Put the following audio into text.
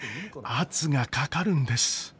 圧がかかるんです。